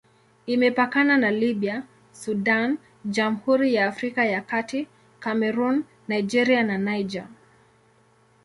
Imepakana na Libya, Sudan, Jamhuri ya Afrika ya Kati, Kamerun, Nigeria na Niger.